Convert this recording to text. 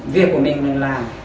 việc của mình mình làm